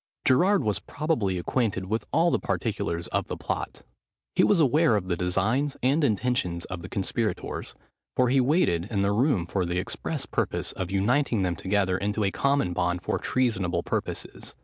Gerard was probably acquainted with all the particulars of the plot. He was aware of the designs and intentions of the conspirators; for he waited in the room for the express purpose of uniting them together into a common bond for treasonable purposes.